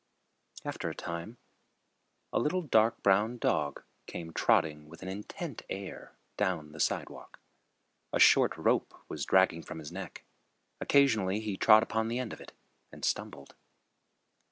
After a time, a little dark brown dog came trotting with an intent air down the sidewalk. A short rope was dragging from his neck. Occasionally he trod upon the end of it and stumbled.